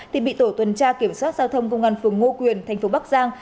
thì bị tổ tuần tra kiểm soát giao thông công an phường ngô quyền tp bắc giang